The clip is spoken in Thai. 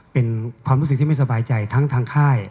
เป็นความรู้สึกที่ไม่สบายใจทั้งทางค่าย